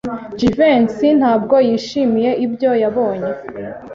Jivency ntabwo yishimiye ibyo yabonye.